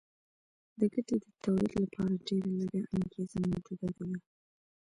د ګټې د تولید لپاره ډېره لږه انګېزه موجوده وه